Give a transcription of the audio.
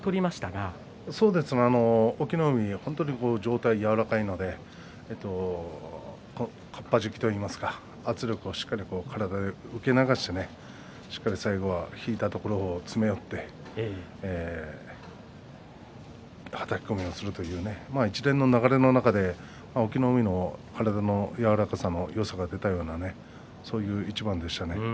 隠岐の海は本当に上体が柔らかいのでかっぱじきといいますか圧力をしっかり体で受け流してしっかり最後は引いたところを詰め寄ってはたき込みをするという一連の流れの中で隠岐の海の体の柔らかさ、よさが出た一番でした。